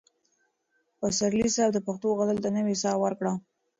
پسرلي صاحب د پښتو غزل ته نوې ساه ورکړه.